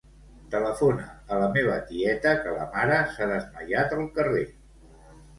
Telefona a la meva tieta, que la mare s'ha desmaiat al carrer.